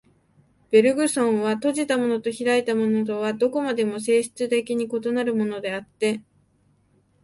ベルグソンは、閉じたものと開いたものとはどこまでも性質的に異なるものであって、